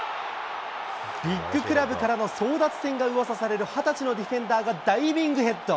ビッグクラブからの争奪戦がうわさされる２０歳のディフェンダーがダイビングヘッド。